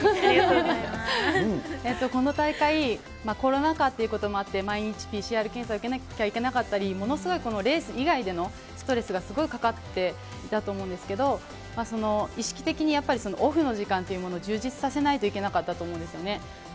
この大会、コロナ禍っていうこともあって、毎日ＰＣＲ検査受けなきゃいけなかったり、ものすごいレース以外でのストレスがすごいかかっていたと思うんですけれども、意識的にオフの時間っていうものも充実させないといけなかったと思うんですよね。